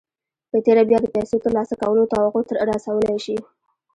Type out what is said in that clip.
په تېره بيا د پيسو ترلاسه کولو توقع رسولای شئ.